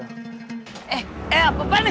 eh eh apaan nih